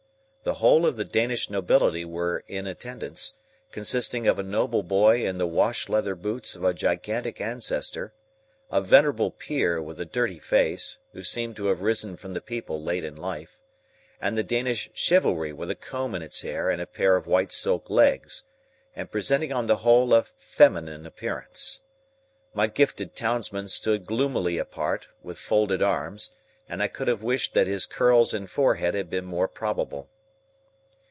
The whole of the Danish nobility were in attendance; consisting of a noble boy in the wash leather boots of a gigantic ancestor, a venerable Peer with a dirty face who seemed to have risen from the people late in life, and the Danish chivalry with a comb in its hair and a pair of white silk legs, and presenting on the whole a feminine appearance. My gifted townsman stood gloomily apart, with folded arms, and I could have wished that his curls and forehead had been more probable.